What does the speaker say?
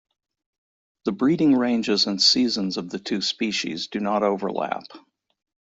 The breeding ranges and seasons of the two species do not overlap.